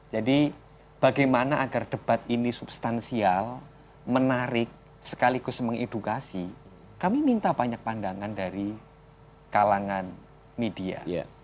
jadi bagaimana agar debat ini substansial menarik sekaligus mengedukasi kami minta banyak pandangan dari kalangan media